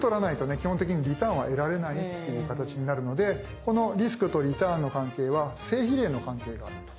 基本的にリターンは得られないっていう形になるのでこのリスクとリターンの関係は正比例の関係があるという形になっています。